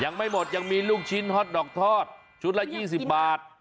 ยังไม่หมดยังมีลูกชิ้นฮอตดอกทอดชุดละ๒๐บาท